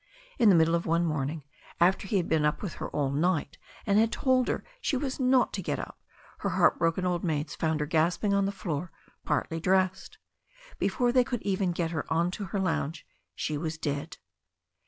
In the middle of one morning, after he had been up with her all night, and had told her she was not to get up, her heart broken old maids found her gasping on the floor, partly dressed. Before they could even get her on to her lounge she was dead.